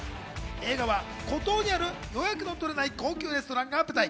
映画は孤島にある予約の取れない高級レストランが舞台。